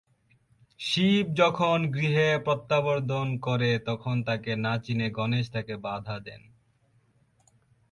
শিব যখন গৃহে প্রত্যাবর্তন করেন, তখন তাকে না চিনে গণেশ তাকে বাধা দেন।